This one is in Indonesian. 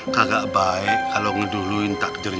kagak baik kalau ngeduluin takdirnya pak ustadz